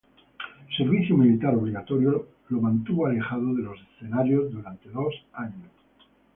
El servicio militar obligatorio lo mantuvo alejado de los escenarios durante dos años.